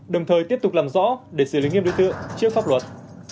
đồng thời tiếp tục làm rõ để xử lý nghiêm đối tượng trước pháp luật